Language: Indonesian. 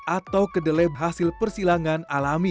atau kedelai hasil persilangan alami